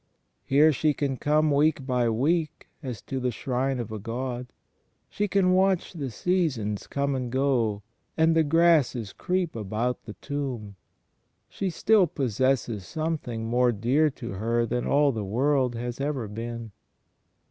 Here she can come week by week as to the shrine of a God; she can watch the seasons come and go, and the grasses creep about the tomb; she still possesses something more dear to her than all the world has ever been.